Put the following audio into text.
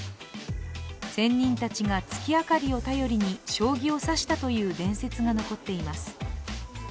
仙人たちが月明かりを頼りに将棋を指したという伝説が残っています。